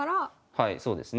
はいそうですね。